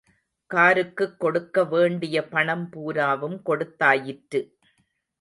காருக்குக் கொடுக்க வேண்டிய பணம் பூராவும் கொடுத்தாயிற்று.